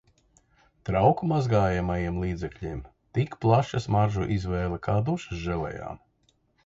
Trauku mazgājamajiem līdzekļiem tik plaša smaržu izvēle kā dušas želejām.